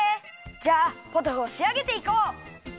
じゃあポトフをしあげていこう！